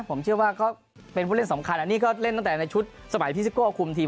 ผมเชื่อว่าก็เป็นผู้เล่นสำคัญอันนี้ก็เล่นตั้งแต่ในชุดสมัยพี่ซิโก้คุมทีม